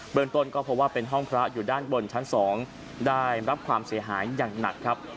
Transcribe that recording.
บริเวณต้นก็เพราะว่าเป็นห้องพระอยู่ด้านบนตอน๒ได้รับความเสียหายง่าย